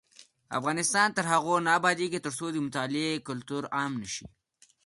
افغانستان تر هغو نه ابادیږي، ترڅو د مطالعې کلتور عام نشي.